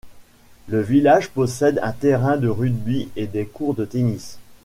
Le village possède un terrain de rugby et des courts de tennis.